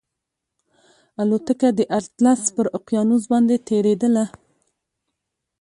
الوتکه د اطلس پر اقیانوس باندې تېرېدله